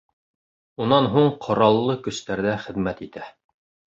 Унан һуң Ҡораллы Көстәрҙә хеҙмәт итә.